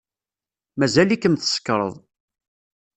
Mazal-ikem tsekṛed.